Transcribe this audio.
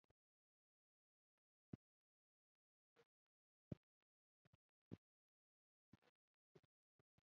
همدارنګه که بوتسوانا داسې مشران نه لر لای.